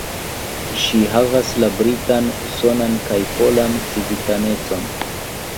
Ŝi havas la britan, usonan kaj polan civitanecon.